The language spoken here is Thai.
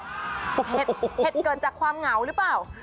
เห็ดเกิดจากความเหงาหรือเปล่า